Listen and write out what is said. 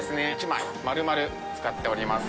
１枚丸々使っております。